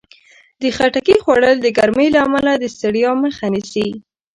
د خټکي خوړل د ګرمۍ له امله د ستړیا مخه نیسي.